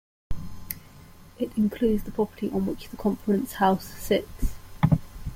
It includes the property on which the Conference House sits.